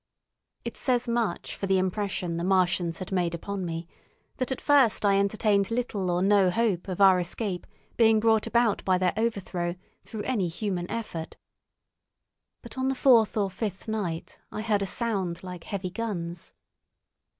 It says much for the impression the Martians had made upon me that at first I entertained little or no hope of our escape being brought about by their overthrow through any human effort. But on the fourth or fifth night I heard a sound like heavy guns.